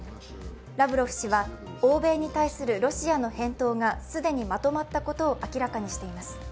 ラブロフ氏は欧米に対するロシアの返答が既にまとまったことを明らかにしています。